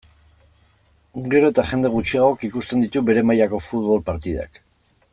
Gero eta jende gutxiagok ikusten ditu behe mailako futbol partidak.